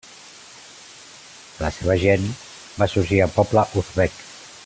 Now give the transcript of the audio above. De la seva gent va sorgir el poble uzbek.